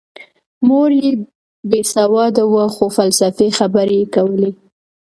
مور یې بې سواده وه خو فلسفي خبرې یې کولې